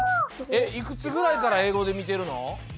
えっいくつぐらいからえいごでみてるの？